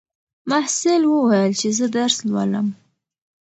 محصل وویل چې زه درس لولم.